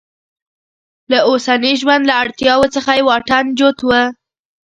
له اوسني ژوند له اړتیاوو څخه یې واټن جوت و.